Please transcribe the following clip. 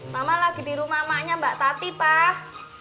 mama lagi di rumah maknya mbak tati pak